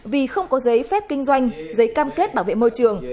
vì không có giấy phép kinh doanh giấy cam kết bảo vệ môi trường